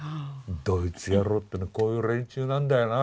ドイツ野郎っていうのはこういう連中なんだよな。